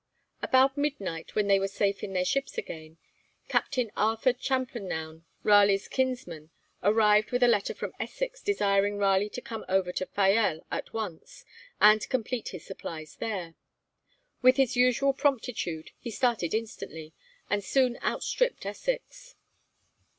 About midnight, when they were safe in their ships again, Captain Arthur Champernowne, Raleigh's kinsman, arrived with a letter from Essex desiring Raleigh to come over to Fayal at once, and complete his supplies there. With his usual promptitude, he started instantly, and soon outstripped Essex.